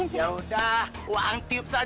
ya udah uang tiup saja lah